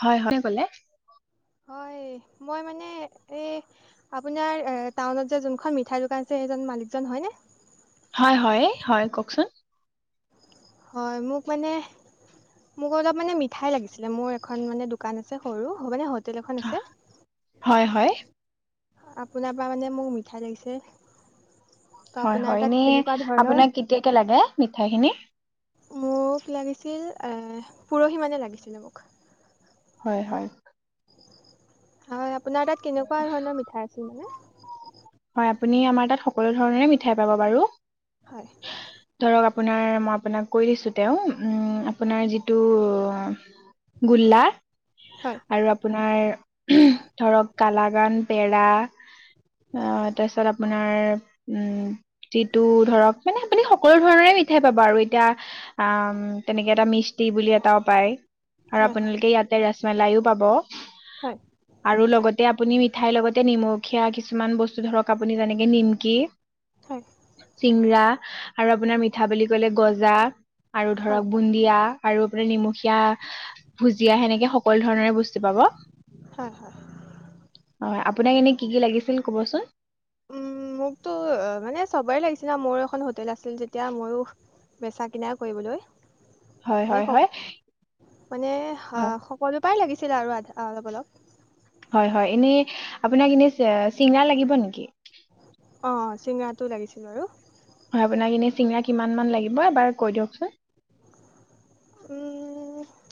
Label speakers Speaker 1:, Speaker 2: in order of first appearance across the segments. Speaker 1: হয় হয় কোনে ক'লে
Speaker 2: হয় মই মানে এই আপোনাৰ টাউনত যে যোনখন মিঠাই দোকান আছে সেইজন মান মালিকজন হয়নে
Speaker 1: হয় হয় হয় কওকচোন
Speaker 2: হয় মোক মানে মোক অলপ মানে মিঠাই লাগিছিলে মোৰ এখন মানে দোকান আছে সৰু হ' মানে হোটেল এখন আছে
Speaker 1: হয় হয়।
Speaker 2: আপোনাৰ পৰা মানে মোক মিঠাই লাগিছে।
Speaker 1: হয় হয় এনে আপোনাক কেতিয়াকে লাগে মিঠাইখিনি
Speaker 2: মোক লাগিছিল পৰহি মানে লাগিছিলে মোক
Speaker 1: হয় হয়।
Speaker 2: হয় আপোনাৰ তাত কেনেকুৱা ধৰণৰ মিঠাই আছিল মানে
Speaker 1: হয় আমাৰ তাত সকলো ধৰণৰে মিঠাই পাব বাৰু
Speaker 2: হয়
Speaker 1: আপোনাৰ মই আপোনাক কৈ দিছোঁ তেওঁ আপোনাৰ যিটো গোল্লা
Speaker 2: হয়
Speaker 1: আৰু আপোনাৰ ধৰক কালাগান পেৰা। [unintelligible] অ তাৰপিছত আপোনাৰ উম যিটো ধৰক মানে আপুনি সকলো ধৰণৰে মিঠাই পাবা আৰু এতিয়া আ তেনেকে এটা মিষ্টি বুলি এটাও পায়। আৰু
Speaker 2: হয় হয়
Speaker 1: আপোনালোকে ইয়াতে ৰাছমালাইও পাব।
Speaker 2: হয়
Speaker 1: আৰু লগতে আপুনি মিঠাইৰ লগতে নিমখীয়া কিছুমান বস্তু ধৰক আপুনি যেনেকে নিমকি
Speaker 2: হয় হয়
Speaker 1: চিংৰা আৰু আপোনাৰ মিঠা বুলি কলে গজা আৰু
Speaker 2: হয়
Speaker 1: ধৰক বুন্দিয়া আৰু আপোনাৰ নিমখীয়া ভুজিয়া সেনেকে সকলো ধৰণৰে বস্তু পাব।
Speaker 2: হ হ
Speaker 1: হয় আপোনাক এনে কি কি লাগিছিল কবচোন
Speaker 2: উম মোকতো মানে চবেই লাগিছিলে। মোৰ এখন হোটেল আছিল যেতিয়া মইও বেচা কিনা। কৰিবলৈ
Speaker 1: হয়
Speaker 2: মানে
Speaker 1: হয়
Speaker 2: স
Speaker 1: হয়
Speaker 2: মানে
Speaker 1: হয়
Speaker 2: আহ সকলো পাই লাগি ছিলে আৰু আধা অলপ অলপ
Speaker 1: হয় হয় এনেই আপোনাক এনে চিঙৰা লাগিব নেকি?
Speaker 2: অ চিঙৰাটো লাগিছিল বাৰু
Speaker 1: হয় আপোনাক এনে চিঙৰা কিমান মান লাগিব এবাৰ কই দিয়কচোন।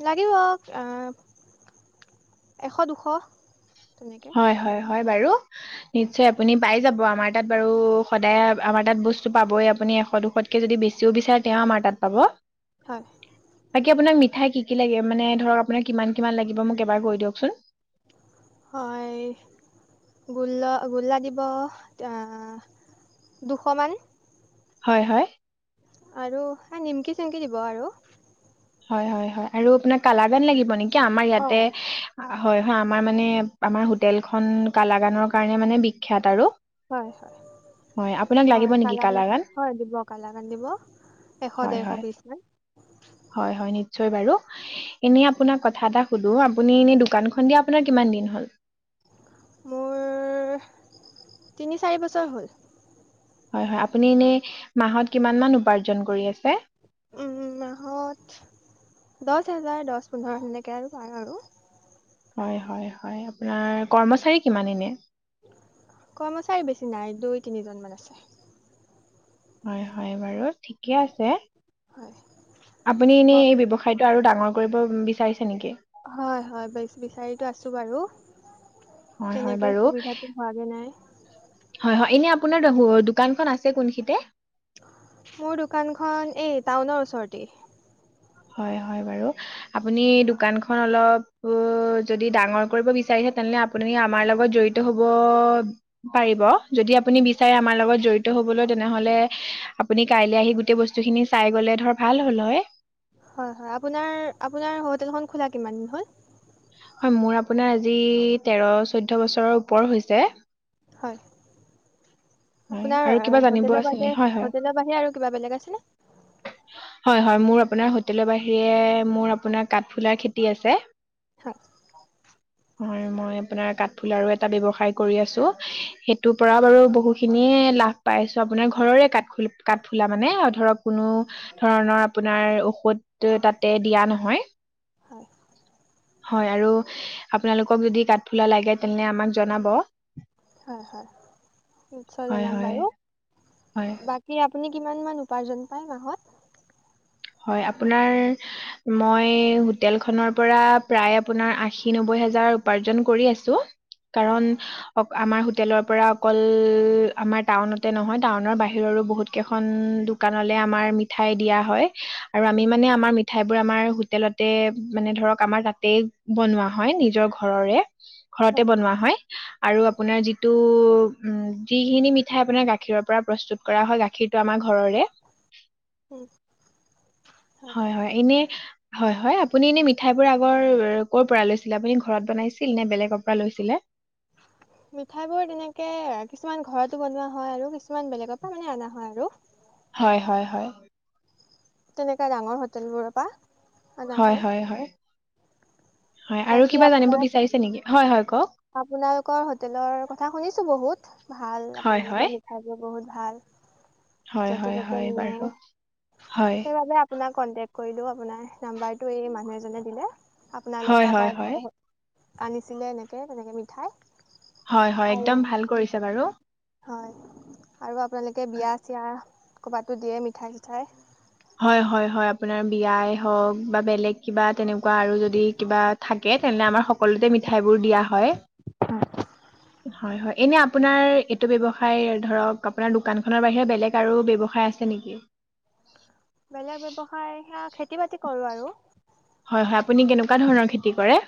Speaker 2: লাগিব এশ দুশ তেনেকে
Speaker 1: হয় হয় হয় বাৰু
Speaker 2: উম,
Speaker 1: নিশ্চয় আপুনি পাই যাব। আমাৰ তাত বাৰু সদায় আমাৰ তাত বস্তু পাবই। আপুনি এশ দুশতকে যদি বেছিও বিচাৰে তে আমাৰ তাত পাব।
Speaker 2: হয়,
Speaker 1: বাকী আপোনাৰ মি ঠাই কি কি লাগে মানে ধৰক আপোনাক কিমান কিমান লাগিব মোক এবাৰ গৈ দিয়কচোন।
Speaker 2: হয় গোল্লা গোল্লা দিব দুশমান
Speaker 1: হয় হয়
Speaker 2: আৰু হ নিমকি চিমকি দিব আৰু [unintelligible]
Speaker 1: হয় হয় হয় আপোনাৰ কালাৰ বেট লাগিব নেকি? আমাৰ ইয়াতে
Speaker 2: অ',
Speaker 1: হয় হয় আমাৰ মানে আমাৰ হোটেলখনন কালাগানৰ কাৰণে মানে বিখ্যাত আৰু।
Speaker 2: হয় হয়
Speaker 1: হয় আপোনাক লাগিব
Speaker 2: হয়
Speaker 1: নেকি
Speaker 2: কালাকান
Speaker 1: কালাগান
Speaker 2: হয় দিব কালাকান দিব এশ
Speaker 1: হয়
Speaker 2: দেৰশ
Speaker 1: হয়
Speaker 2: পিচ মান।
Speaker 1: হয় হয় নিশ্চয় বাৰু এনে আপোনাক কথা এটা সুধো আপুনি এনে দোকানখন দিয়া আপোনাৰ কিমান দিন হ'ল?
Speaker 2: মোৰ তিনি চাৰি বছৰ হ'ল।
Speaker 1: হয় হয় আপুনি এনে মাহত কিমান মান উপাৰ্জন কৰি আছে?
Speaker 2: উম মাহত দহ হাজাৰ দহ পোন্ধৰ এনেকে আৰু পাৰ আৰু [unintelligible]
Speaker 1: হয় হয় হয় আপোনাৰ কৰ্মচাৰী কিমান এনে?
Speaker 2: কৰ্মচাৰী বেছি নাই দুই তিনিজনমান আছে।
Speaker 1: হয় -হয় বাৰু, ঠিকে আছে,
Speaker 2: হয়
Speaker 1: আপুনি এনে
Speaker 2: অ-
Speaker 1: এই ব্যৱসায় আৰু ডাঙৰ কৰিব বিচাৰিছে নেকি?
Speaker 2: হয় -হয় বিচাৰিতো আছো বাৰু।
Speaker 1: হয় হয়
Speaker 2: তেনেকে
Speaker 1: বাৰু
Speaker 2: সুবিধাটো হোৱাগে নাই।
Speaker 1: হয়, হয়, এনে আপোনাৰ দোকানখন আছে কোনখিনিতে?
Speaker 2: মোৰ দোকানখন এই টাউনৰ ওচৰতে।
Speaker 1: হয় হয় বাৰু। আপুনি দোকানখন অলপ যদি ডাঙৰ কৰিব বিচাৰে তেনেহলে আপুনি আমাৰ লগত জড়িত হব পাৰিব। যদি আপুনি বিচাৰে আমাৰ লগত জড়িত হবলৈ তেনেহলে আপুনি কাইলৈ আহি গোটেই বস্তু খিনি চাই গলে ধৰ ভাল হল হয়।
Speaker 2: হয় হয়। আপোনাৰ -আপোনাৰ হোটেলখন খোলা কিমান হ'ল?
Speaker 1: হয় মোৰ আপোনাৰ আজি তেৰ চৈধ্যয় বছৰৰ ওপৰ হৈছে।
Speaker 2: হয়।
Speaker 1: হয়
Speaker 2: আপোনাৰ
Speaker 1: আৰু কিবা জানিব
Speaker 2: হোটেলৰ
Speaker 1: আছিল
Speaker 2: বাদে
Speaker 1: নেকি হয় হয়
Speaker 2: হোটেলৰ বাহিৰে আৰু কিবা বেলেগ আছে ন?
Speaker 1: হয় -হয় মোৰ আপোনাৰ হোটেলৰ বাহিৰে মোৰ আপোনাৰ কাঠফুলাৰ খেতি আছে।
Speaker 2: হয়।
Speaker 1: হয় মই আপোনাৰ কাঠফুলাৰো এটা ব্যৱসায় কৰি আছো সেইটোৰ পৰা বাৰু বহুখিনিয়ে। লাভ পাই আছো আপোনাৰ ঘৰৰে কাঠফুল -কাঠফুলা মানে ধৰক। কোনো ধৰণৰ আপোনাৰ ঔষধ তাতে দিয়া নহয়।
Speaker 2: হয়
Speaker 1: হয় আৰু আপোনালোকক যদি কাঠফুলা লাগে তেনে আমাক জনাব।
Speaker 2: হয় নিশ্চয়
Speaker 1: হয়
Speaker 2: জনাম
Speaker 1: হয়
Speaker 2: বাৰু
Speaker 1: হয়
Speaker 2: বাকী আপুনি। কিমানমান উপাৰ্জন পায় মাহত।
Speaker 1: হয় আপোনাৰ মই হোটেল খনৰ পৰা প্ৰায় আপোনাৰ আশী নব্বৈ উপাৰ্জন কৰি আছোঁ।
Speaker 2: হয়
Speaker 1: কাৰণ অ আমাৰ হোটেলৰ পৰা অকল আমাৰ টাউনতে নহয় টাউনৰ বাহিৰৰ বহুত কেইখন দোকানলে আমাৰ মিঠাই দিয়া হয় আৰু আমি
Speaker 2: হয়
Speaker 1: মানে আমাৰ মিঠাই বোৰ আমাৰ হোটেলতে মানে ধৰক আমাৰ তাতে বনোৱা হয় নিজৰ ঘৰৰে। ঘৰতে বনোৱা হয় আৰু
Speaker 2: হয়
Speaker 1: আপোনাৰ যিটো উম যিখিনি মিঠাই আপোনাৰ গাখীৰৰ পৰা প্ৰস্তুত কৰা হয় গাখীৰটো আমাৰ ঘৰৰে।
Speaker 2: উম।
Speaker 1: হয়, হয় এনেই। হয় -হয় আপুনি এনে মিঠাই বোৰ আগৰ কৰ'ৰ পৰা লৈছিলে আপুনি ঘৰত বনাইছিল লৈছিলে। [unintelligible]
Speaker 2: মিঠাই বোৰ তেনেকে কিছুমান ঘৰতো বনোৱা হয় আৰু কিছুমান বেলেগৰ পৰা মানে অনা হয় আৰু।
Speaker 1: হয় হয় হয়।
Speaker 2: তেনেকা ডাঙৰ হোটেল বোৰৰ পৰা
Speaker 1: হয় হয় হয়। হয় আৰু
Speaker 2: বাকী
Speaker 1: কিবা জানিব
Speaker 2: আপোনাৰ
Speaker 1: বিচাৰিছে নেকি হয় হয় কওক
Speaker 2: আপোনালোকৰ হোটেলৰ কথা শুনিছো বহুত ভাল
Speaker 1: হয় হয়
Speaker 2: আপোনালোকৰ মিঠাইবোৰ বহুত ভাল।
Speaker 1: হয়
Speaker 2: য'তে
Speaker 1: হয়
Speaker 2: ত'তে
Speaker 1: হয়
Speaker 2: নিয়ে
Speaker 1: বাৰু হয়
Speaker 2: সেইবাবে আপোনাক কণ্টেক্ট কৰিলোঁ আপোনাক। নম্বৰ টো এই মানুহ এজনে দিলে। আপোনাৰ
Speaker 1: হয়
Speaker 2: তাৰপৰা
Speaker 1: হয় হয়।
Speaker 2: আনিছিলে এনেকে তেনেকে মিঠাই।
Speaker 1: হয় হয়
Speaker 2: আৰু
Speaker 1: একদম ভাল কৰিছে বাৰু।
Speaker 2: হয় আৰু আপোনালোকে বিয়া চিয়া ক'ৰবাতো দিয়ে মিঠাই চিঠাই।
Speaker 1: হয় হয় হয় আপোনাৰ বিয়াই হওক বা বেলেগ কিবা তেনেক কোৱা আৰু যদি কিবা থাকে তেনেহলে আমাৰ সকলোতে মিঠাইবোৰ দিয়া হয়, হয় হয়। এনে আপোনাৰ এইটো ব্যৱসায় ধৰক আপোনাৰ দোকানখনৰ বাহিৰে বেলেগ আৰু ব্যৱসায় আছে নেকি? [unintelligible]
Speaker 2: বেলেগ ব্যৱসায় সেয়া খেতি বাতি কৰোঁ‌ আৰু।
Speaker 1: হয় হয়। আপুনি কেনেকুৱা ধৰণৰ খেতি কৰে।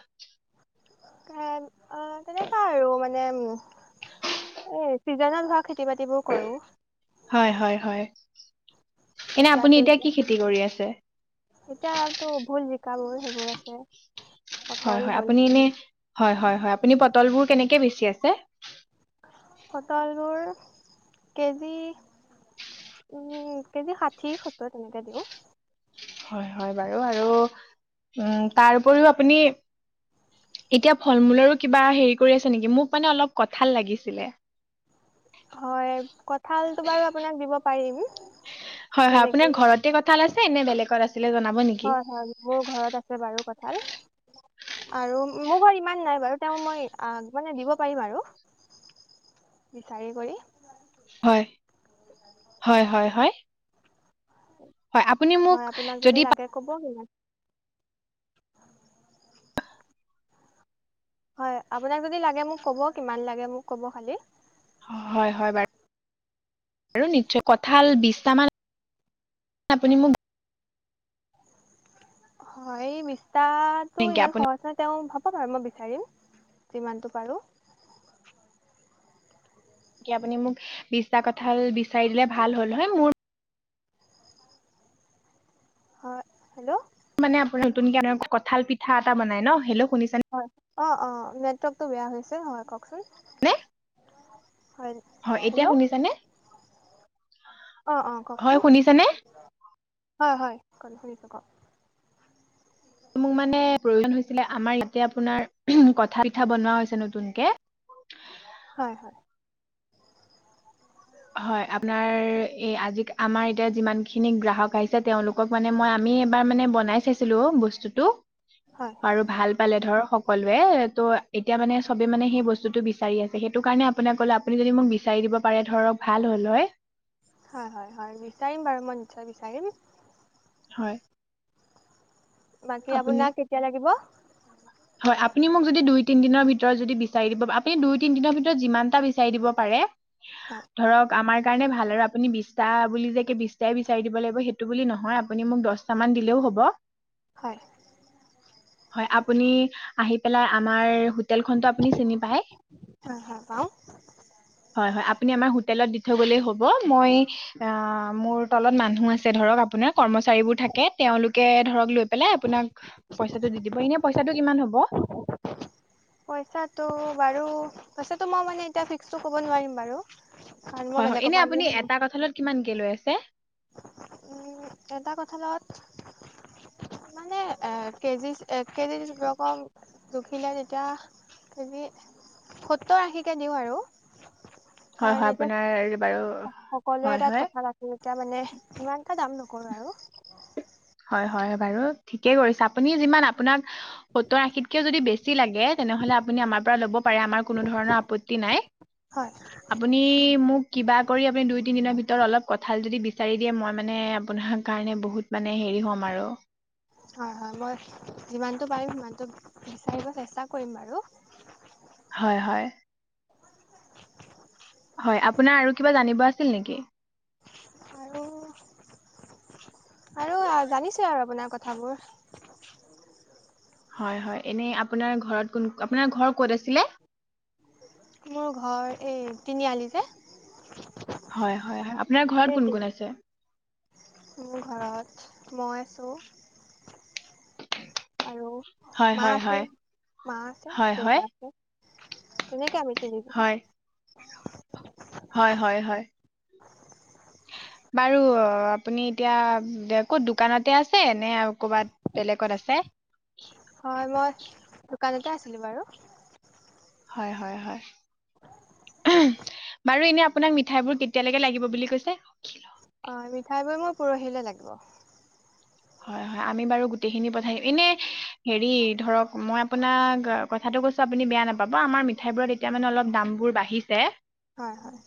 Speaker 2: এ অ' তেনেকুৱা আৰু মানে উ এ চিজনত হোৱা খেতি বাতিবোৰ কৰো [inaudible]
Speaker 1: হয় হয় হয়। এনে আপুনি
Speaker 2: এতিয়াতো
Speaker 1: এতিয়া কি খেতি কৰি আছে?
Speaker 2: এতিয়া আৰুতো ভুল জিকাবোৰ সেইবোৰ আছে।
Speaker 1: হয়
Speaker 2: পটল
Speaker 1: হয়।
Speaker 2: ভোল
Speaker 1: আপুনি এনে হয় হয় হয় আপুনি পটলবোৰ কেনেকে বে আছে।
Speaker 2: পটল বোৰ কেজি। উম কেজি ষাঠি সত্তৰ তেনেকে দিওঁ।
Speaker 1: হয় হয় বাৰু আৰু উম তাৰ উপৰিও আপুনি। এতিয়া ফল মূলৰো কিবা হেৰি কৰি আছে নেকি? মোক মানে অলপ কঠাল লাগিছিলে।
Speaker 2: হয় কঁঠালটো বাৰু আপোনাক দিব পাৰিম তেনেকে।
Speaker 1: এনে বেলেগত আছিলে জনাব নেকি?
Speaker 2: হয় হয় মোৰ ঘৰত আছে বাৰু কঁঠাল আৰু মোৰ ঘৰত ইমান নাই বাৰু। তেওঁ মই মানে দিব পাৰিম আৰু বিচাৰি কৰি
Speaker 1: হয়, হয় হয় হয় হয় আপুনি মোক
Speaker 2: হয় আপোনাক
Speaker 1: যদি
Speaker 2: লাগে ক'ব কিমান হয় আপোনাক যদি লাগে মোক ক'ব। কিমান লাগে মোক ক'ব খালী?
Speaker 1: হয় হয় বাৰু আৰু নিশ্চয় কঁঠাল বিশটামান আপুনি মোক
Speaker 2: হয় এই বিশটাতো
Speaker 1: নেকি
Speaker 2: ইমান
Speaker 1: আপুনি
Speaker 2: সহজে তেওঁ হয় মই বিচাৰিম যিমানটো পাৰোঁ।
Speaker 1: আপুনি মোক বিশটা কথাল বিচাৰি দিলে ভাল হ'ল হয় মোৰ।
Speaker 2: হয় হেল্ল'।
Speaker 1: মানে আপোনাৰ নতুন কঁঠাল পিঠা এটা বনাই নহ হেল্ল অ' শুনিছানে?
Speaker 2: অ' অ' নেটৱৰ্কটো বেয়া হৈছে হয় কওঁকচোন
Speaker 1: কোনে হয় এতিয়া শুনিছানে।
Speaker 2: অ' অ'
Speaker 1: হয়
Speaker 2: কওকচোন
Speaker 1: শুনিছানে?
Speaker 2: হয় হয় কওক শুনিছোঁ কওক
Speaker 1: মোক মানে প্ৰয়োজন হৈছিলে। আমাৰ ইয়াতে আপোনাৰ কথা পিঠা বনোৱা হৈছে নতুনকে। [unintelligible]
Speaker 2: হয় হয়।
Speaker 1: হয় আপোনাৰ এ আজি আমাৰ এতিয়া যিমান খিনি গ্ৰাহক আহিছে। তেওঁলোকক মানে মই আমি আমি এবাৰ মানে বনাই চাইছিলো বস্তুটো
Speaker 2: হয়
Speaker 1: আৰু ভাল পালে ধৰক সকলোৱে তহ' এতিয়া মানে চবে মানে সেই বস্তুটো বিচাৰি আছে। সেইটো কাৰণে আপোনাক কলে আপুনি যদি মোক বিচাৰি দিয়ে। দিব পাৰে ধৰক ভাল হ'ল হয়।
Speaker 2: হয় হয় হয় বিচাৰিম বাৰু মই নিশ্চয় বিচাৰিম।
Speaker 1: হয়।
Speaker 2: বাকী
Speaker 1: আপুনি
Speaker 2: আপোনাক কেতিয়া লাগিব।
Speaker 1: হয় আপুনি মোক যদি দুই তিনিদিনৰ ভিতৰত যদি বিচাৰি দিব আপুনি দুই তিনি দিনৰ ভিতৰত যিমানটা বিচাৰি দিব পাৰে।
Speaker 2: হয়
Speaker 1: ধৰক আমাৰ সেই কাৰণে ভাল আৰু আপুনি বিশটা বুলি যে বিশটাই বিচাৰি দিব লাগিব সেইটো বুলি নহয়। আপুনি মোক দহটামান দিলেও হ'ব।
Speaker 2: হয়।
Speaker 1: হয়। আপুনি আহি পেলাই আমাৰ হোটেল খনটো আপুনি চিনি পায়,
Speaker 2: হয় হয় পাওঁ
Speaker 1: হয় হয় আপুনি আমাৰ হোটেলত থৈ গলে হ'ব। মই অহ মোৰ তলত মানুহ আছে ধৰক আপোনাৰ কৰ্মচাৰীবোৰ থাকে তেওঁলোকে ধৰক লৈ পেলাই আপোনাক পইচাটো দি দিব এনে পইচাটো কিমান হ'ব।
Speaker 2: পইচাটো বাৰু পইচাটো মই মানে এতিয়া ফিক্সটো ক'ব নোৱাৰিম বাৰু। কাৰণ মই
Speaker 1: হয় হয়
Speaker 2: বেলেগৰ
Speaker 1: এনে
Speaker 2: পৰা আনি
Speaker 1: আপুনি
Speaker 2: আছোঁ ন।
Speaker 1: এটা কঁঠালত কিমানকে লৈ আছে
Speaker 2: এটা কঠাঁলত মানে এহ কেজি এক কেজি ৰকম জুখিলে তেতিয়া কেজি সত্তৰ আশীকে দিওঁ আৰু
Speaker 1: হয় হয় আপোনাৰ বাৰু
Speaker 2: সকলোৱে
Speaker 1: হয়
Speaker 2: তাত
Speaker 1: হয়
Speaker 2: কথা পাতি এতিয়া মানে ইমানটা দাম নকৰো আৰু
Speaker 1: হয় হয় বাৰু ঠিকে কৰিছে আপুনি যিমান আপোনাক সত্তৰ আশীতকে যদি বেছি বেছি লাগে তেনেহলে আপুনি আমাৰ পৰা লব পাৰে আমাৰ কোনো ধৰণৰ আপত্তি নাই।
Speaker 2: হয়
Speaker 1: আপুনি মোক কিবা কৰি আপুনি দুই তিনি দিনৰ ভিতৰত অলপ কঠাল যদি বিচাৰি দিয়ে মই মানে আপোনাৰ কাৰণে বহুত মানে এহ হেৰি হ'ম আৰু
Speaker 2: হয় হয় মই যিমানটো পাৰিম সিমানটো বিচাৰিব চেষ্টা কৰিম বাৰু
Speaker 1: হয় হয়। হয় আপোনাৰ আৰু কিবা জানিব আছিল নেকি
Speaker 2: আৰু আৰু জানিছো আৰু আপোনাৰ কথাবোৰ
Speaker 1: হয় হয় এনে আপোনাৰ ঘৰত কোন আপোনাৰ ঘৰ কত আছিলে
Speaker 2: মোৰ ঘৰ এই তিনিআলি যে
Speaker 1: হয় হয় হয় আপোনাৰ ঘৰত
Speaker 2: এই
Speaker 1: কোন
Speaker 2: তিনি
Speaker 1: কোন আছে
Speaker 2: মোৰ ঘৰত মই আছো আৰু
Speaker 1: হয়
Speaker 2: মা
Speaker 1: হয়
Speaker 2: আছে
Speaker 1: হয়
Speaker 2: মা আছে
Speaker 1: হয়
Speaker 2: দেউতা
Speaker 1: হয়
Speaker 2: আছে ধুনীয়াকে আমি তিনি
Speaker 1: হয় হয় হয় হয় বাৰু আপুনি এতিয়া ক'ত দোকানতে আছে নে আৰু কৰ'বাত বেলেগত আছে
Speaker 2: ঘৰতে আছিলো বাৰু
Speaker 1: হয় হয় হয় ওমহ বাৰু এনে আপোনাক মিঠাই বোৰ কেতিয়ালৈকে লাগিব বুলি কৈছে অল
Speaker 2: অ মিঠাই বোৰ মোৰ পৰহিলে লাগিব
Speaker 1: হয় হয় আমি বাৰু গোটেইখিনি পঠাই দিম এনে হেৰি ধৰক মই আপোনাক কথা এটা কৈছো আপুনি বেয়া নাপাব আমাৰ মিঠাইবোৰত এতিয়া মানে অলপ দামবোৰ বাঢ়িছে
Speaker 2: হয় হয়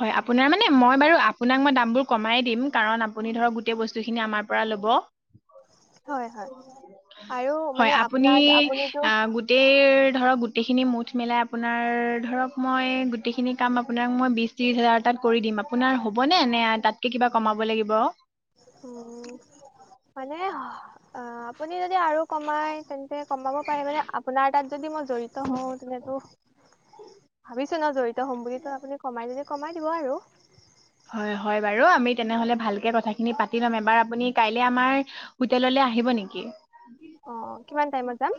Speaker 1: হয় আপোনাৰ মানে মই বাৰু আপোনাক মই দামবোৰ কমাই দিম কাৰণ আপুনি ধৰক গোটেই বস্তু বস্তুখিনি আমাৰ পৰা ল'ব
Speaker 2: হয় হয় আৰু মানে
Speaker 1: হয় আপুনি
Speaker 2: আপোনাৰ আপুনিতো
Speaker 1: অ গোটেই ধৰক গোটেইখিনি মুঠ মেলাই আপোনাৰ ধৰক মই গোটেইখিনি কাম আপোনাক মই বিছ ত্ৰিছ হাজাৰ তাত কৰি দিম আপোনাৰ হ'বনে নে তাতকে কিবা কমাব লাগিব অ
Speaker 2: উ মানে অ আপুনি যদি আৰু কমাই তেন্ত ন্তে কমাব পাৰে মানে আপোনাৰ তাত যদি মই জড়িত হওঁ তেনেতো ভাবি ছো ন জড়িত হ'ম বুলি ত আপুনি কমাই দি কমাই দিব আৰু
Speaker 1: হয় হয় বাৰু আমি তেনেহলে কথাখিনি পাতি লম কাইলে আমাৰ হোটেললে আহিব নেকি?
Speaker 2: অ কিমান টাইমত যাম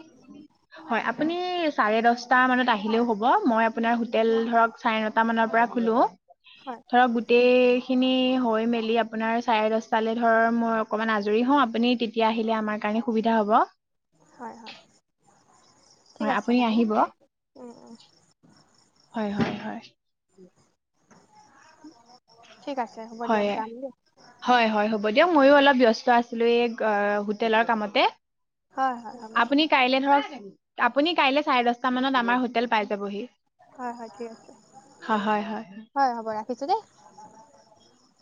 Speaker 1: হয় আপুনি চাৰে দহটা মানত আহিলেও হ'ব মই আপোনাৰ হোটেল ধৰক চাৰে নটা মানৰ পৰা খোলো
Speaker 2: হয়
Speaker 1: ধৰক গো টেই খিনি হৈ মেলি আপোনাৰ চাৰে দছটালৈ ধৰ মই অকণমান আজৰি হওঁ আপুনি তেতিয়া আহিলে আমাৰ কাৰণে সুবিধা হ'ব
Speaker 2: হয় হয় ঠিক
Speaker 1: হয়
Speaker 2: আছে
Speaker 1: আপুনি
Speaker 2: হ'ব
Speaker 1: আহিব হয় হয় হয়
Speaker 2: ঠিক আছে হ'ব
Speaker 1: হয়
Speaker 2: দিয়ক যাম দেই
Speaker 1: হয় হয় হ'ব দিয়ক ময়ো অলপ ব্যস্ত আছিলো এই হোটেলৰ কামতে
Speaker 2: হয় হয় হ'ব
Speaker 1: আপুনি কাইলে ধৰক আপুনি কাইলে চাৰে দশটা মানত আমাৰ হোটেল পাই যাবহি
Speaker 2: হয় হয় ঠিক আছে
Speaker 1: হয় হয়
Speaker 2: হয় হ'ব ৰাখিছো দেই ভ [unintelligible]